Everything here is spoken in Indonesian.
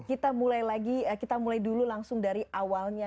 kita mulai lagi kita mulai dulu langsung dari awalnya